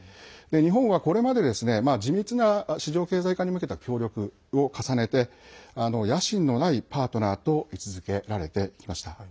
日本は、これまで地道な市場経済化に向けた協力を重ねて野心のないパートナーと位置づけられてきました。